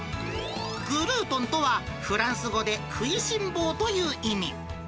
グルートンとは、フランス語で食いしん坊という意味。